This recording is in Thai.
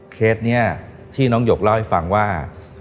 เคสนี้ที่น้องหยกเล่าให้ฟังว่า